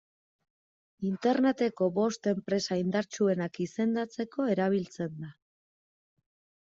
Interneteko bost enpresa indartsuenak izendatzeko erabiltzen da.